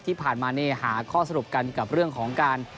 ที่ผ่านมาหาข้อสรุปกันกับเรื่องของการ